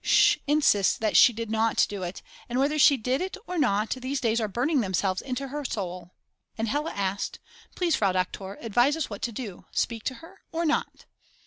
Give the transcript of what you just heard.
Sch. insists that she did not do it, and whether she did it or not these days are burning themselves into her soul and Hella asked: "Please, Frau Doktor advise us what to do, speak to her or not?"